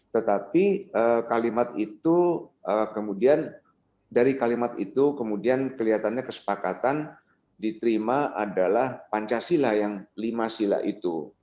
tetapi dari kalimat itu kemudian kelihatannya kesepakatan diterima adalah pancasila yang lima sila itu